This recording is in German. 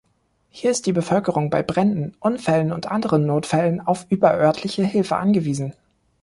Hier ist die Bevölkerung bei Bränden, Unfällen und anderen Notfällen auf überörtliche Hilfe angewiesen.